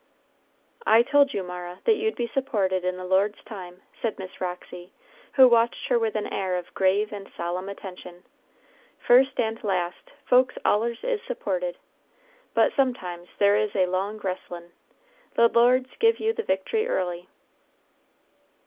"I told you, Mara, that you'd be supported in the Lord's time," said Miss Roxy, who watched her with an air of grave and solemn attention. "First and last, folks allers is supported; but sometimes there is a long wrestlin'. The Lord's give you the victory early."